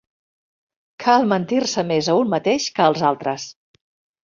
Cal mentir-se més a un mateix que als altres.